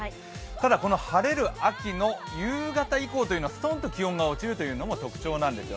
ただ、晴れる秋の夕方以降というのはストンと気温が落ちるというのも特徴なんです。